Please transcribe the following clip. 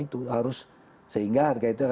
itu harus sehingga harga itu